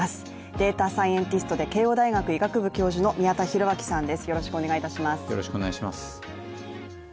データサイエンティストで慶応大学医学部教授の宮田裕章さんです。